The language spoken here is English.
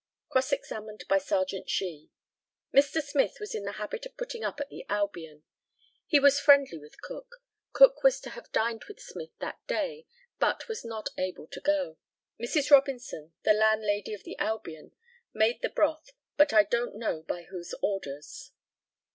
Cross examined by Mr. Serjeant SHEE. Mr. Smith was in the habit of putting up at the Albion. He was friendly with Cook. Cook was to have dined with Smith that day, but was not able to go. Mrs. Robinson, the landlady of the Albion, made the broth, but I don't know by whose orders.